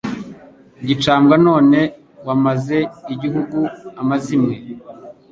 Gicambwa none wamaze igihugu amazimwe